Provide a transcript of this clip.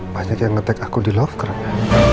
banyak yang ngetag aku di love crime